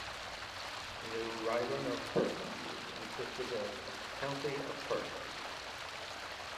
The new riding of Perth consisted of County of Perth.